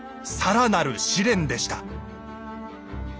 更なる試練でした。